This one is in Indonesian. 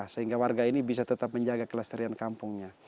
sehingga warga ini bisa tetap menjaga kelestarian kampungnya